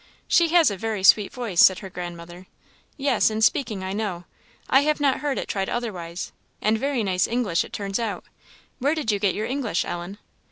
"She has a very sweet voice," said her grandmother. "Yes, in speaking, I know; I have not heard it tried otherwise; and very nice English it turns out. Where did you get your English, Ellen?"